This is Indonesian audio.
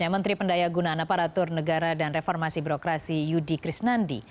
menteri pendaya gunaan aparatur negara dan reformasi birokrasi yudi krisnandi